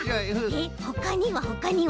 えっほかにはほかには？